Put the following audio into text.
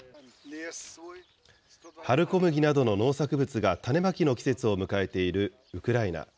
春小麦などの農作物が種まきの季節を迎えているウクライナ。